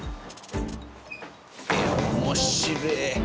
面白え！